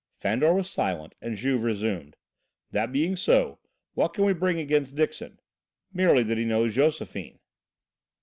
Fandor was silent and Juve resumed: "That being so, what can we bring against Dixon? Merely that he knows Josephine."